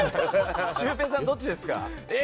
シュウペイさんどっちですか？